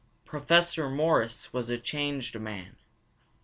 Professor Morris was a changed man.